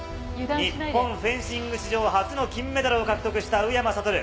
日本フェンシング史上初の金メダルを獲得した宇山賢。